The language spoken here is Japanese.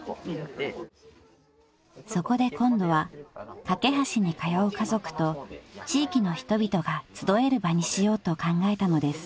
［そこで今度はかけはしに通う家族と地域の人々が集える場にしようと考えたのです］